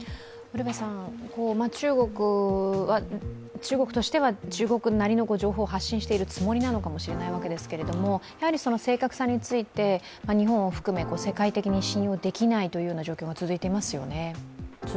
中国としては中国なりの情報を発信しているつもりなのかもしれないですけども、祖の正確さについて、日本を含め、世界的に信用できない状況が続いていますね。